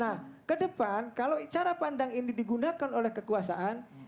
nah ke depan kalau cara pandang ini digunakan oleh kekuasaan